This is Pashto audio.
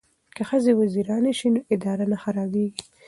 که ښځې وزیرانې شي نو اداره نه خرابیږي.